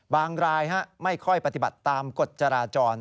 รายไม่ค่อยปฏิบัติตามกฎจราจร